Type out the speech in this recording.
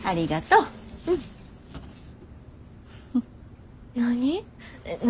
うん。何？